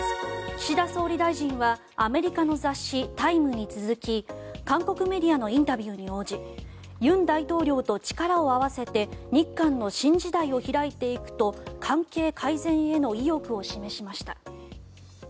岸田総理大臣はアメリカの雑誌「タイム」に続き韓国メディアのインタビューに応じ尹大統領と力を合わせて日韓の新時代を開いていくと関係改善への意欲を示しました。